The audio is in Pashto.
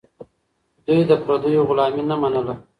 دوی د پردیو غلامي نه منله.